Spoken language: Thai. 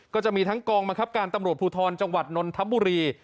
ก็จะมีทั้งกองบังคับการตำรวจภูทรจังหวัดนนทบุรี